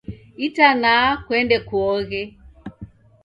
Itanaa kuende kuoghe